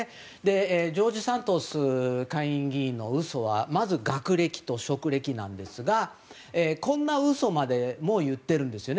ジョージ・サントス下院議員の嘘はまず、学歴と職歴なんですがこんな嘘まで言っているんですね。